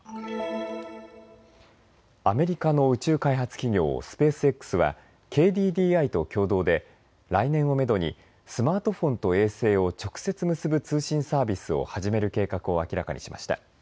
アメリカの宇宙開発企業、スペースＸはＫＤＤＩと共同で来年をめどにスマートフォンと衛星を直接結ぶ通信サービスを始める計画を明らかにしました。